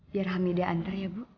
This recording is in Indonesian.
biar hamida antar ya bu